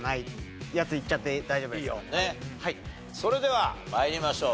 それでは参りましょう。